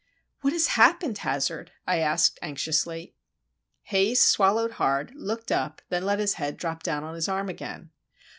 "What has happened, Hazard?" I asked, anxiously. Haze swallowed hard, looked up, and then let his head drop down on his arm again.